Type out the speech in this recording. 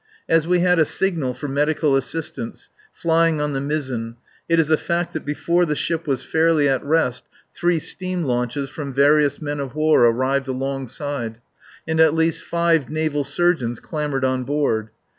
As we had a signal for medical assistance flying on the mizzen it is a fact that before the ship was fairly at rest three steam launches from various men of war were alongside; and at least five naval surgeons had clambered on board.